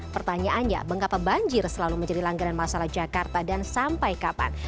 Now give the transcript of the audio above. pertanyaannya mengapa banjir selalu menjadi langganan masalah jakarta dan sampai kapan